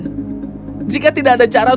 jika tidak ada cara untuk melakukan penyelidikan